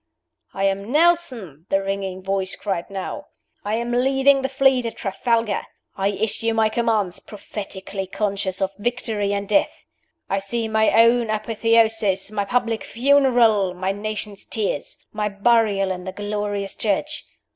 "I am Nelson!" the ringing voice cried now. "I am leading the fleet at Trafalgar. I issue my commands, prophetically conscious of victory and death. I see my own apotheosis, my public funeral, my nation's tears, my burial in the glorious church.